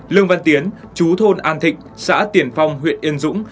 lương văn tiến chú thôn an thịnh xã tiền phong huyện yên dũng